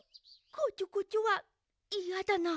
こちょこちょはいやだな。